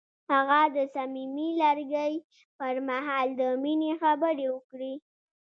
هغه د صمیمي لرګی پر مهال د مینې خبرې وکړې.